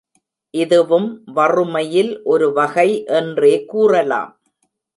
இதுவும் வறுமையில் ஒரு வகை என்றே கூறலாம்.